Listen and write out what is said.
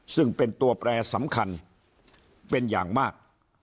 ซึ่งเป็นตัวแปรสำคัญเป็นอย่างมาก